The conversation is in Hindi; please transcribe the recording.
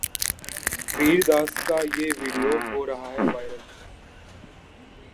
वीर दास का ये वीडियो हाे रहा है वायरल